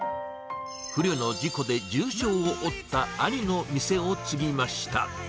不慮の事故で重傷を負った兄の店を継ぎました。